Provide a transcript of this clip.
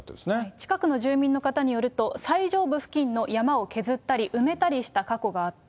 近くの住民の方によると、最上部付近の山を削ったり、埋めたりした過去があった。